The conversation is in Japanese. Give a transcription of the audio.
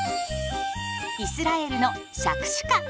イスラエルのシャクシュカ。